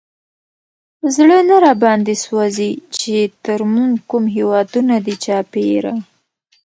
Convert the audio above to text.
زړه نه راباندې سوزي، چې تر مونږ کوم هېوادونه دي چاپېره